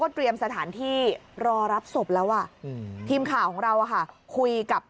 เตรียมสถานที่รอรับศพแล้วอ่ะอืมทีมข่าวของเราอ่ะค่ะคุยกับ